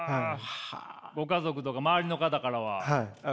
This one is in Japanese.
ご家族とか周りの方からは？